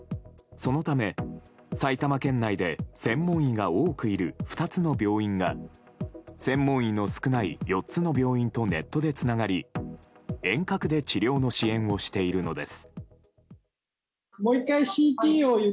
そのため、埼玉県内で専門医が多くいる２つの病院が専門医の少ない４つの病院とネットでつながり遠隔で治療の支援をしているのです。